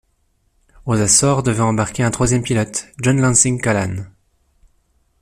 Aux Açores devait embarquer un troisième pilote, John Lansing Callan.